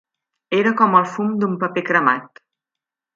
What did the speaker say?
Era com el fum d'un paper cremat.